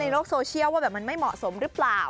โลกโซเชียลว่าแบบมันไม่เหมาะสมหรือเปล่า